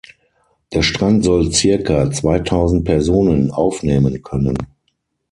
Der Strand soll zirka zweitausend Personen aufnehmen können.